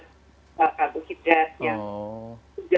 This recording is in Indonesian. tetapkan sumber karbohidratnya